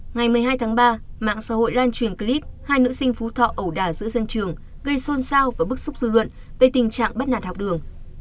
ngày một mươi hai tháng ba mạng xã hội lan truyền clip hai nữ sinh phú thọ ẩu đả giữa sân trường gây xôn xao và bức xúc dư luận về tình trạng bắt nạt học đường